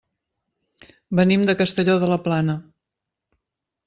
Venim de Castelló de la Plana.